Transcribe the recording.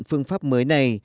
phương pháp mới này